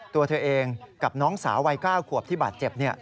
ตัวเธอเองกับน้องสาววัย๙ขวบที่บาดเจ็บ